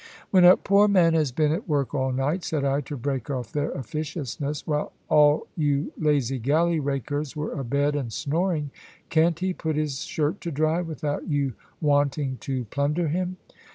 "When a poor man has been at work all night," said I, to break off their officiousness; "while all you lazy galley rakers were abed and snoring, can't he put his shirt to dry, without you wanting to plunder him?"